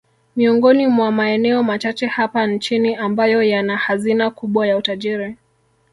Miongoni mwa maeneo machache hapa nchini ambayo yana hazina kubwa ya utajiri